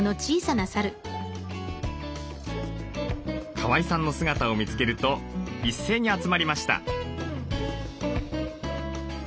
川井さんの姿を見つけると一斉に集まりました。